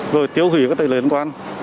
rồi tiêu hủy các tài lệ đối quan